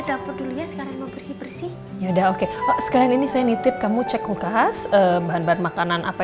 assalamualaikum warahmatullahi wabarakatuh